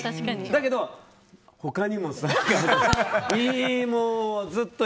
だけど、他にもさって。